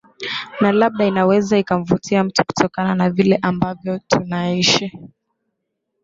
na labda inaweza ikamvutia mtu kutokana na vile ambavyo tunaishi